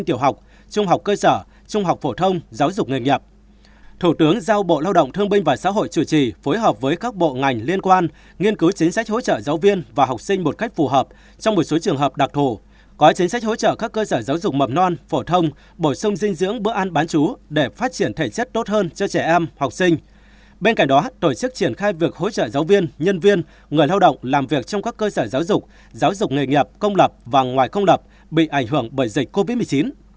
tổ chức triển khai việc hỗ trợ giáo viên nhân viên người lao động làm việc trong các cơ sở giáo dục giáo dục nghề nghiệp công lập và ngoài công lập bị ảnh hưởng bởi dịch covid một mươi chín